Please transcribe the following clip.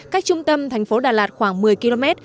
cách trung tâm tp đà lạt khoảng một mươi km